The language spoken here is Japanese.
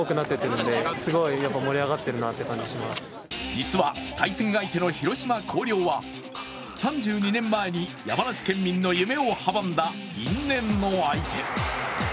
実は対戦相手の広島広陵は３２年前に山梨県民の夢を阻んだ因縁の相手。